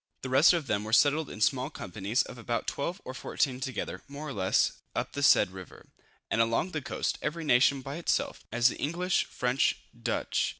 The rest of them were settled in small companies of about 12 or 14 together, more or less, up the said river, and along the coast, every nation by itself, as the English, French, Dutch, &c.